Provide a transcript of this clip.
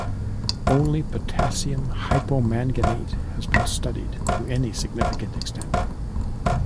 Only potassium hypomanganate has been studied to any significant extent.